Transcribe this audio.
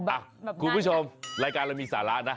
คุณผู้ชมรายการเรามีสาระนะ